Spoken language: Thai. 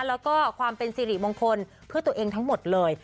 แล้วก็ความเป็นสิริมงคลเพื่อตัวเองทั้งหมดเลย